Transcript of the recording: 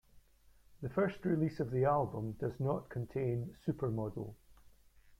The first release of the album does not contain "Supermodel".